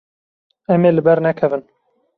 Em ê li ber nekevin.